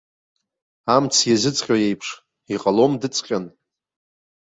Амҵ иазыҵҟьо иеиԥш, иҟалом дыҵҟьан.